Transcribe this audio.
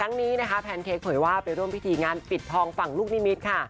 นี้นะคะแพนเค้กเผยว่าไปร่วมพิธีงานปิดทองฝั่งลูกนิมิตรค่ะ